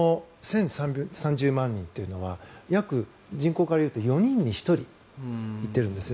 １０３０万人というのは人口から言うと約４人に１人行ってるんです。